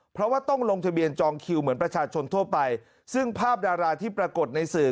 เพราะว่าต้องลงทะเบียนจองคิวเหมือนประชาชนทั่วไปซึ่งภาพดาราที่ปรากฏในสื่อ